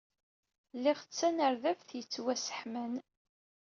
Liɣ tanerdabt yettwasseḥman.